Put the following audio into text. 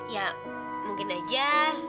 ya mungkin aja